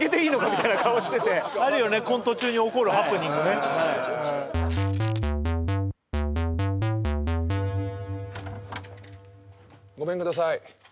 みたいな顔しててあるよねコント中に起こるハプニングねごめんください